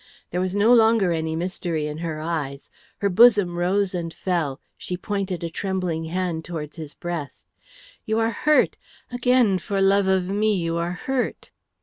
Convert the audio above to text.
There was no longer any mystery in her eyes. Her bosom rose and fell; she pointed a trembling hand towards his breast. "You are hurt. Again for love of me you are hurt."